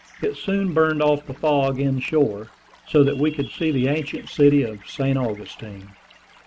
It soon burned off the fog inshore, so that we could see the ancient city of St. Augustine.